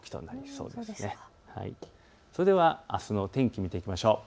それではあすの天気を見ていきましょう。